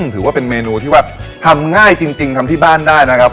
ถือว่าเป็นเมนูที่ว่าทำง่ายจริงทำที่บ้านได้นะครับ